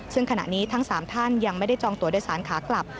ซึ่งขณะนี้ทั้ง๓ท่านยังไม่ได้จองตัวโดยสารขากลับ